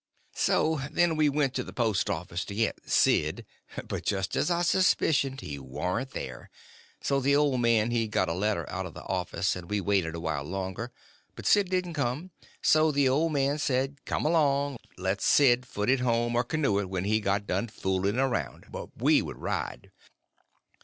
So then we went to the post office to get "Sid"; but just as I suspicioned, he warn't there; so the old man he got a letter out of the office, and we waited awhile longer, but Sid didn't come; so the old man said, come along, let Sid foot it home, or canoe it, when he got done fooling around—but we would ride.